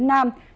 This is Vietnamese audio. tỉnh quảng ngã